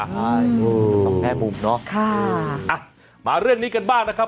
ใช่สองแง่มุมเนาะค่ะอ่ะมาเรื่องนี้กันบ้างนะครับ